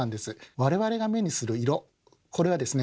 我々が目にする色これはですね